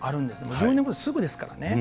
１０年後ってすぐですからね。